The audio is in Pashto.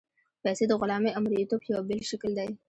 پیسې د غلامۍ او مرییتوب یو بېل شکل دی.